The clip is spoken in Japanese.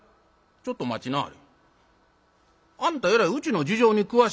ちょっと待ちなはれ。